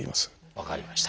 分かりました。